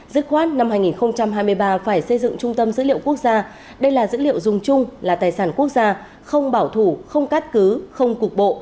dứt khoát năm hai nghìn hai mươi ba phải xây dựng trung tâm dữ liệu quốc gia đây là dữ liệu dùng chung là tài sản quốc gia không bảo thủ không cắt cứ không cục bộ